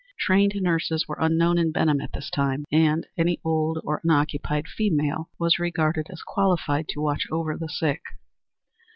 Trained nurses were unknown in Benham at this time, and any old or unoccupied female was regarded as qualified to watch over the sick.